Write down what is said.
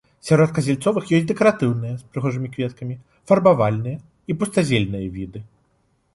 Сярод казяльцовых ёсць дэкаратыўныя з прыгожымі кветкамі, фарбавальныя і пустазельныя віды.